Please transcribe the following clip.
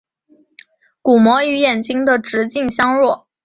鼓膜与眼睛的直径相若。